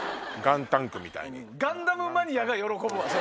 『ガンダム』マニアが喜ぶわ！